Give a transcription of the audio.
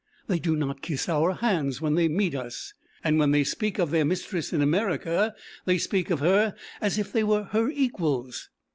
They do not kiss our hands when they meet us, and when they speak of their mistress in America they speak of her as if they were her equals.